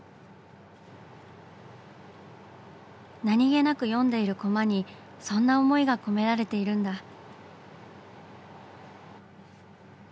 何気なく読んでいるコマにそんな思いが込められているんだ。